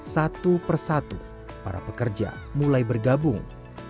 satu persatu para pekerja mulai bergabung